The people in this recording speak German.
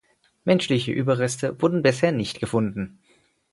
Menschliche Überreste wurden bisher nicht gefunden.